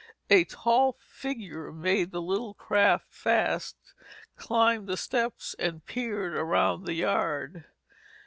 A tall figure made the little craft fast, climbed the steps and peered around the yard.